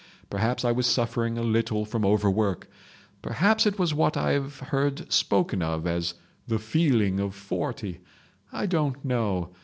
Perhaps I was suffering a little from overwork—perhaps it was what I've heard spoken of as the feeling of forty. I don't know.